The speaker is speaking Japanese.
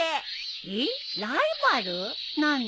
えっライバル？何の？